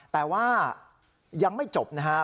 แต่ว่ายังไม่จบนะครับ